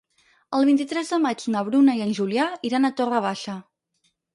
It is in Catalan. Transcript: El vint-i-tres de maig na Bruna i en Julià iran a Torre Baixa.